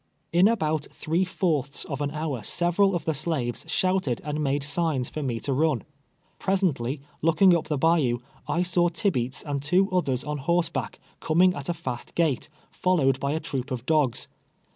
In about three fourths of an hour several of tho slaves shouted and made signs for me to run. l*res ently, looking up tlie bayou, I saw Tibeats and two othei's on horse back, coming at a fast gait, followed by a troop of dogs.